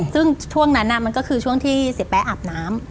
ซึ่งช่วงนั้นมันก็คือช่วงที่เสียแป๊อาบน้ำ